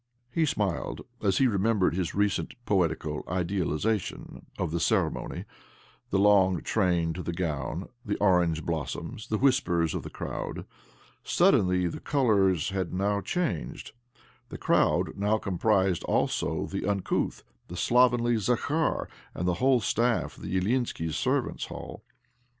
He smiled as he remembered his recent poetical idealization of the ceremony— the long train to the gown, the orange blossoms, the whispers of the crowd. Somehow the colours had now changed ; the crowd now comprised also the uncouth, the slovenly Zakhar and the whole staff of the Ilyinskis' servants' hall.